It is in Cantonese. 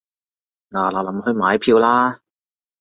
嗱嗱臨去買票啦